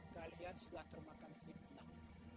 kalian sudah termakan fitnah